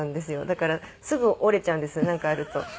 だからすぐ折れちゃうんですなんかあると。